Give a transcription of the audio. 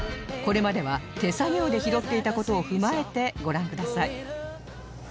これまでは手作業で拾っていた事を踏まえてご覧ください